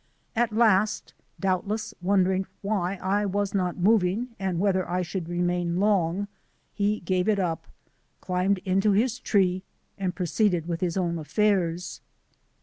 At last, doubtless wondering why I was not moving and whether I should remain long, he gave it up, climbed into his tree, and proceeded with his own iff UTS.